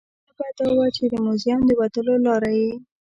جالبه دا وه چې د موزیم د وتلو لاره یې.